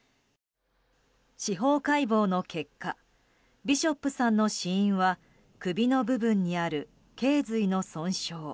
司法解剖の結果ビショップさんの死因は首の部分にある頚髄の損傷。